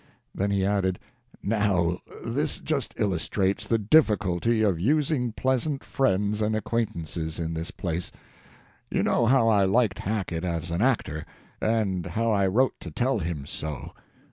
Then he added, "Now this just illustrates the difficulty of having pleasant friends and acquaintances in this place. You know how I liked Hackett as an actor, and how I wrote to tell him so.